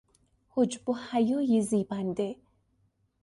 حجب و حیای زیبنده